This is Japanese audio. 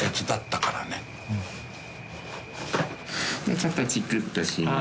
・ちょっとチクッとします。